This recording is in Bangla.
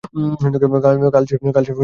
কাল সে খুব তাড়ি খাইয়াছিল।